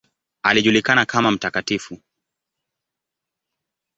Alijulikana kama ""Mt.